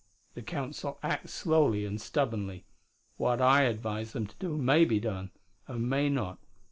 The Council acts slowly and stubbornly. What I advise them to do may be done, and may not.